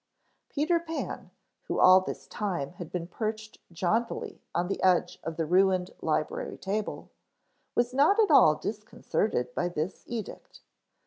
Peter Pan, who all this time had been perched jauntily on the edge of the ruined library table, was not at all disconcerted by this edict.